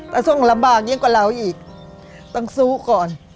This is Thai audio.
ต้องสู้ก่อนต้องสู้ก่อน